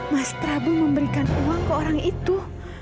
mas prabu memberikan uang ke orang itu